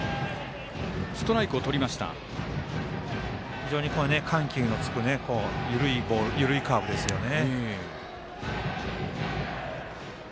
非常に緩急のつく緩いカーブですよね。